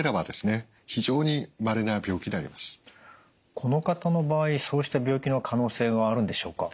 この方の場合そうした病気の可能性はあるんでしょうか？